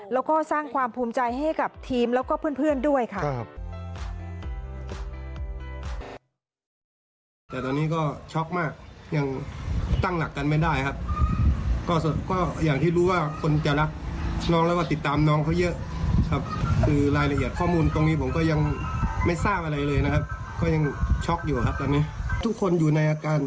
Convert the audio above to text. แล้วก็สร้างความภูมิใจให้กับทีมแล้วก็เพื่อนด้วยค่ะ